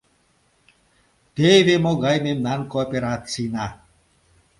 Теве могай мемнан кооперацийна!